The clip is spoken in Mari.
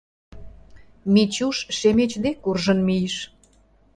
Мичуш Шемеч дек куржын мийыш: